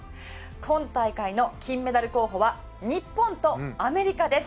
今大会の金メダル候補は日本とアメリカです。